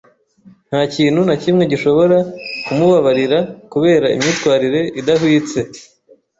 Nta kintu na kimwe gishobora kumubabarira kubera imyitwarire idahwitse.